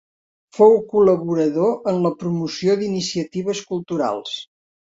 Fou col·laborador en la promoció d'iniciatives culturals.